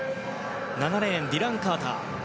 ７レーン、ディラン・カーター。